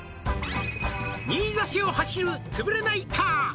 「新座市を走るつぶれないカー」